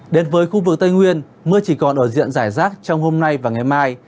đến với khu vực tây nguyên mưa chỉ còn ở diện giải rác trong hôm nay và ngày mai